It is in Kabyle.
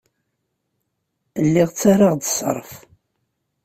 Lliɣ ttarraɣ-d ṣṣerf.